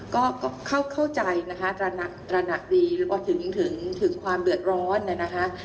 ก็เข้าใจนะคะตระหนักดีถึงความเรือดร้อนนะคะ